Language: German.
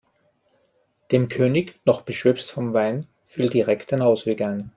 Dem König, noch beschwipst vom Wein, fiel direkt ein Ausweg ein.